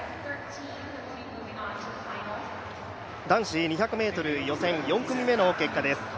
男子２００ｍ予選、４組目の結果です。